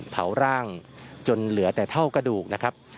เผาร่างจนเหลือแต่เท่ากระดูกนะครับ